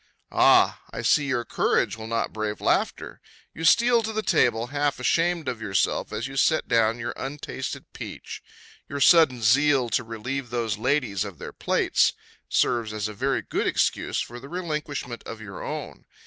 Ah! I see your courage will not brave laughter. You steal to the table, half ashamed of yourself as you set down your untasted peach. Your sudden zeal to relieve those ladies of their plates serves as a very good excuse for the relinquishment of your own.